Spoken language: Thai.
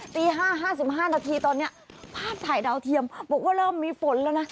ตี๕๕นาทีตอนนี้ภาพถ่ายดาวเทียมบอกว่าเริ่มมีฝนแล้วนะ